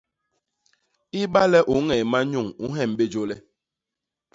Ibale u ñee manyuñ, u nhem bé jôl e?